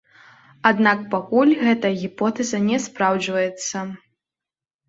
Аднак пакуль гэтая гіпотэза не спраўджваецца.